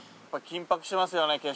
緊迫しますよね。